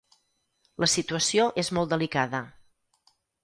La situació és molt delicada.